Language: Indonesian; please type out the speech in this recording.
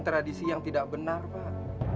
tradisi yang tidak benar pak